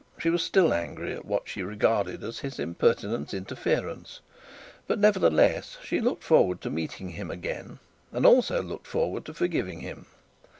She was still angry at what she regarded as his impertinent interference; but nevertheless she looked forward to meeting him again; and also looked forward to forgiving him.